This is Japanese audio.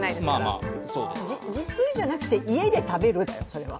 自炊じゃなくて、家で食べるですよ、それは。